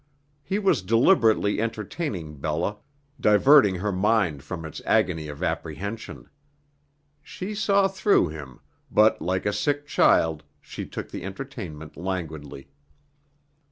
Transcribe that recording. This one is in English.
He was deliberately entertaining Bella, diverting her mind from its agony of apprehension. She saw through him, but like a sick child she took the entertainment languidly.